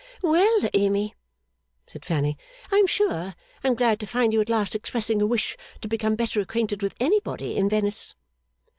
'Well, Amy,' said Fanny, 'I am sure I am glad to find you at last expressing a wish to become better acquainted with anybody in Venice.